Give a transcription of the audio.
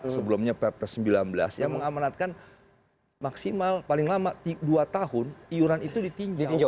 sebelumnya perpres sembilan belas yang mengamanatkan maksimal paling lama dua tahun iuran itu ditinjau